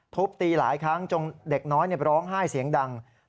ทุบตีหลายครั้งจนเด็กน้อยร้องไห้เสียงดัง